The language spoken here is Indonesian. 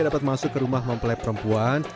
dapat masuk ke rumah mempelai perempuan